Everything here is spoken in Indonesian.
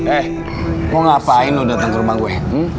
eh mau ngapain lu datang ke rumah gue